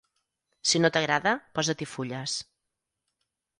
Si no t'agrada, posa-t'hi fulles.